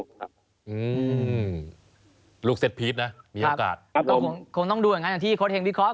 อืมลูกเซ็ตพีชนะมีโอกาสก็คงคงต้องดูอย่างนั้นอย่างที่โค้ดเฮงวิเคราะ